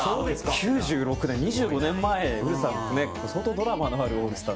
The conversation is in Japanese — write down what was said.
９６年、２５年前ですからね相当ドラマのあるオールスター。